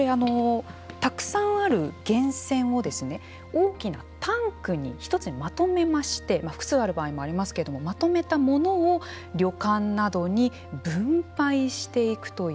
大きなタンクに１つにまとめまして複数ある場合もありますけれどもまとめたものを旅館などに分配していくという仕組みだそうです。